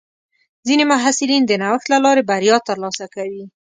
ځینې محصلین د نوښت له لارې بریا ترلاسه کوي.